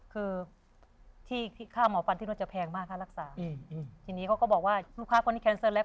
เพราะที่กับเขารักษาต้องรักษายาวถูกไหม